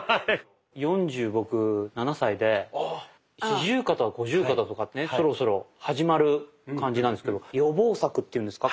４０僕４７歳で四十肩五十肩とかってそろそろ始まる感じなんですけど予防策っていうんですか